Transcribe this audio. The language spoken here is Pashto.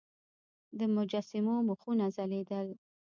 د مجسمو مخونه ځلیدل